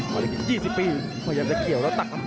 พลาดเอก๒๐ปีพยายามจะเขี่ยวแล้วตักลำตุกครับครับ